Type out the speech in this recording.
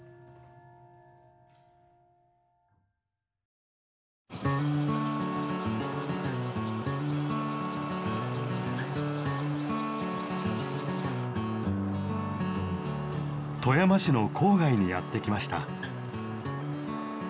富山市の郊外にやって来ました。